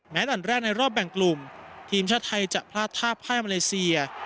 ด่านแรกในรอบแบ่งกลุ่มทีมชาติไทยจะพลาดท่าพ่ายมาเลเซีย